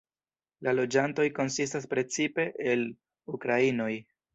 La loĝantoj konsistas precipe el ukrainoj.